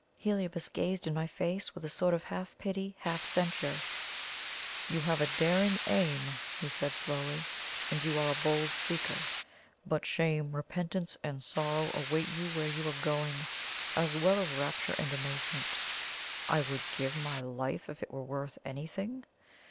Heliobas gazed in my face with a sort of half pity, half censure. "You have a daring aim," he said slowly, "and you are a bold seeker. But shame, repentance and sorrow await you where you are going, as well as rapture and amazement. 'I WOULD GIVE MY LIFE IF IT WERE WORTH ANYTHING.'